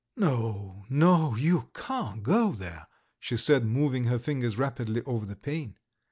"No, no, you can't go there," she said, moving her fingers rapidly over the pane.